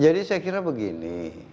jadi saya kira begini